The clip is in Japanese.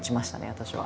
私は。